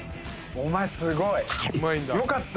お前すごい。よかった。